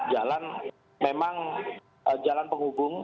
jalan memang jalan penghubung